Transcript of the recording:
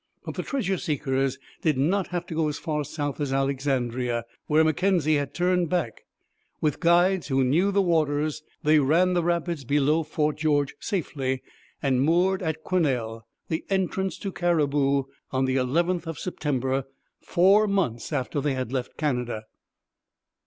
But the treasure seekers did not have to go as far south as Alexandria, where Mackenzie had turned back. With guides who knew the waters, they ran the rapids below Fort George safely, and moored at Quesnel, the entrance to Cariboo, on the 11th of September four months after they had left Canada.